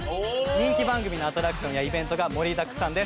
人気番組のアトラクションやイベントが盛りだくさんです。